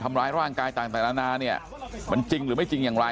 ทำร้ายร่างกายต่างนานาเนี่ยมันจริงหรือไม่จริงอย่างไร